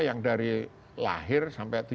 yang dari lahir sampai